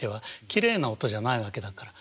きれいな音じゃないわけだから。